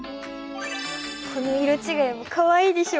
この色ちがいもかわいいでしょ？